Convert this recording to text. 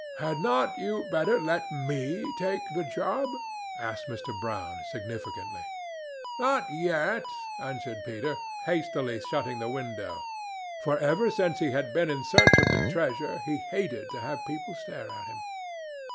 "Had not you better let me take the job?" said Mr. Brown, significantly. "Not yet," answered Peter, hastily shutting the window; for ever since he had been in search of the treasure he hated to have people stare at him.